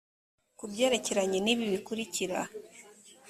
kubyerekeranye n ibi bikurikira